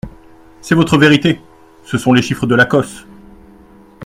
C’est votre vérité ! Ce sont les chiffres de l’ACOSS.